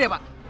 siapa dia pak